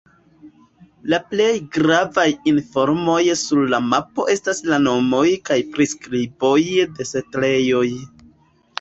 La plej gravaj informoj sur la mapo estas la nomoj kaj priskriboj de setlejoj.